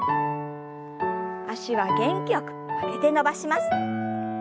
脚は元気よく曲げて伸ばします。